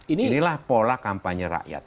inilah pola kampanye rakyat